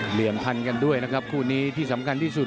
เหลี่ยมทันกันด้วยนะครับคู่นี้ที่สำคัญที่สุด